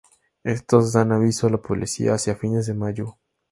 Estos dan aviso a la policía hacia fines de mayo.